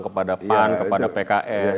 kepada pan kepada pks